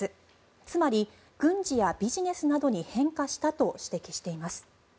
つまり軍事やビジネスなどに変化したと指摘しています。